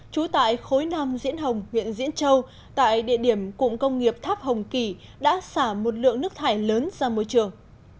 trú tại khối năm diễn hồng huyện diễn châu tại địa điểm cụng công nghiệp tháp hồng kỳ đã xả một lượng nước thải lớn ra môi trường